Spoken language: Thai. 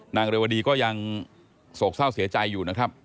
นางเรวดีก็ยังโศกเศร้าเสียใจอยู่นะครับ